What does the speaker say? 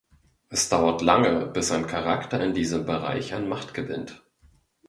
Es dauert lange, bis ein Charakter in diesem Bereich an Macht gewinnt.